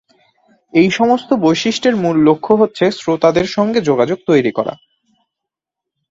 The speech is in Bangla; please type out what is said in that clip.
এই সমস্ত বৈশিষ্ট্যের মূল লক্ষ্য হচ্ছে শ্রোতাদের সঙ্গে যোগাযোগ তৈরি করা।